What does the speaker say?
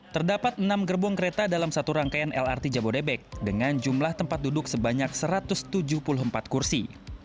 terdapat enam gerbong kereta dalam satu rangkaian lrt jabodebek dengan jumlah tempat duduk sebanyak satu ratus tujuh puluh empat kursi